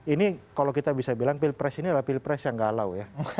ini kalau kita bisa bilang pilpres ini adalah pilpres yang galau ya